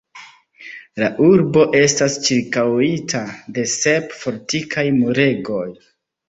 La urbo estas ĉirkaŭita de sep fortikaj muregoj.